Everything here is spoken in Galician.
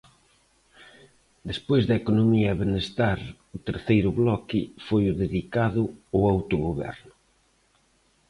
Despois de economía e benestar o terceiro bloque foi o dedicado ao autogoberno.